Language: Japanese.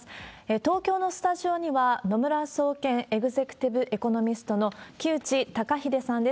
東京のスタジオには、野村総研エグゼクティブエコノミストの木内登英さんです。